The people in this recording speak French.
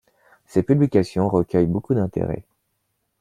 Ces publications recueillent beaucoup d'intérêt.